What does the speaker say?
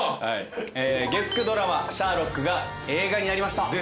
月９ドラマ『シャーロック』が映画になりました。